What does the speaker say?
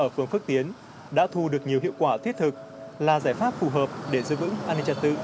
trong phước tiến đã thu được nhiều hiệu quả thiết thực là giải pháp phù hợp để giữ vững an ninh tật tự